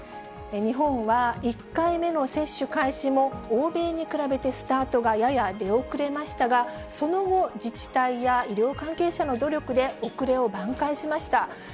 日本は１回目の接種開始も、欧米に比べてスタートがやや出遅れましたが、その後、自治体や医療関係者の努力で、遅れを挽回しました。